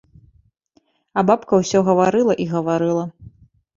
А бабка ўсё гаварыла і гаварыла.